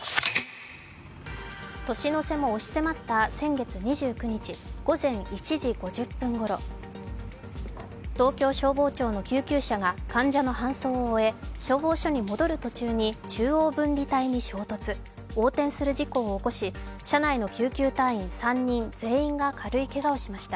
年の瀬も押し迫った先月２９日午前１時５０分ごろ、東京消防庁の救急車が患者の搬送を終え消防署に戻る途中に中央分離帯に衝突、横転する事故を起こし車内の救急隊員３人全員が軽いけがをしました。